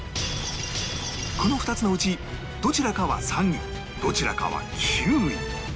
この２つのうちどちらかは３位どちらかは９位